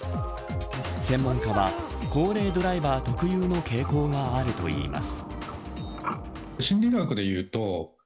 専門家は高齢ドライバー特有の傾向があるといいます。